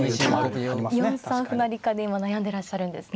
単にか４三歩成かで今悩んでらっしゃるんですね。